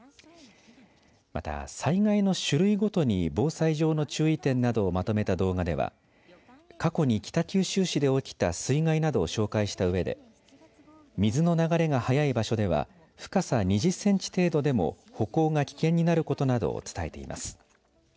また災害の種類ごとに防災上の注意点などをまとめた動画では過去に北九州市で起きた水害などを紹介したうえで水の流れが速い場所では深さ２０センチ程度でも歩行が危険になることなどを伝えています。